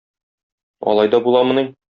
Алай да буламыни?